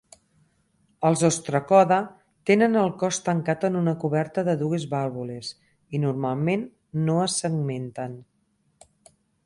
Els Ostracoda tenen el cos tancat en una coberta de dues vàlvules, i normalment no es segmenten.